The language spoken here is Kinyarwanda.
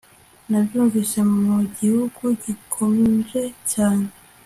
Nabyumvise mu gihugu gikonje cyane